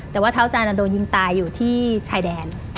แต่ว่าเท้าจันทร์โดนยิงตายอยู่ที่ชายแดน